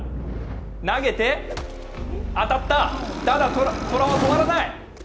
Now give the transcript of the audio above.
投げて、当たった、だが虎は止まらない。